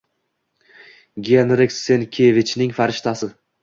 Genrik Senkevichning «Farishta»si